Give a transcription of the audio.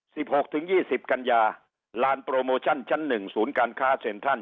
หกถึงยี่สิบกันยาลานโปรโมชั่นชั้นหนึ่งศูนย์การค้าเซ็นทรัล